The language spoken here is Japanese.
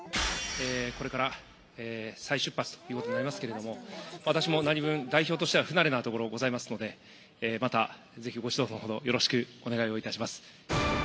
「これから再出発ということになりますけども私もなにぶん代表としては不慣れなところございますのでまたぜひご指導の程よろしくお願いをいたします」